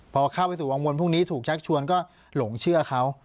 พอเข้าไปสู่วังวลพรุ่งนี้ถูกชักชวนก็หลงเชื่อเขา